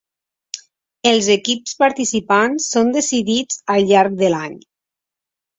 Els equips participants són decidits al llarg de l'any.